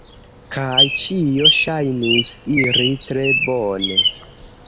Kaj ĉio ŝajnis iri tre bone.